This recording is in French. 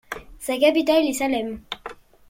Sa capitale est Salem.